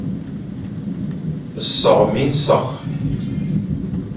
Sokh minsokh,